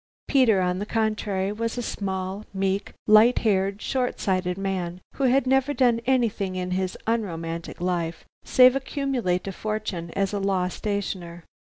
Peter, on the contrary, was a small, meek, light haired, short sighted man, who had never done anything in his unromantic life, save accumulate a fortune as a law stationer.